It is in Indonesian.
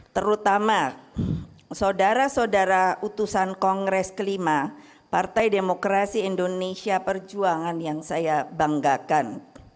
terutama saudara saudara utusan kongres kelima partai demokrasi indonesia perjuangan yang saya banggakan